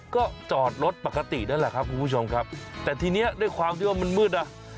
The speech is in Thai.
ก็จอดรถปกตินั่นแหละครับคุณผู้ชมครับแต่ทีนี้ด้วยความที่ว่ามันมืดนะ